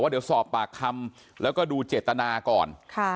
เดี๋ยวสอบปากคำแล้วก็ดูเจตนาก่อน